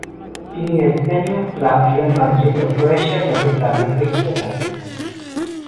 তিনি স্পেনীয় club Real Madrid ও ক্রোয়েশিয়া জাতীয় দলের হয়ে খেলে থাকেন।